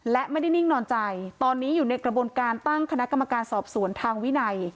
และไม่ได้นิ่งนอนใจตอนนี้อยู่ในกระบวนการตั้งคณะกรรมการสอบสวนทางวินัย